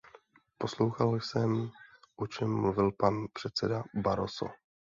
Poslouchal jsem, o čem mluvil pan předseda Barroso.